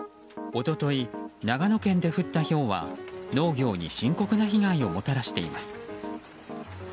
一昨日、長野県で降ったひょうは農業に深刻な被害をもたらしています。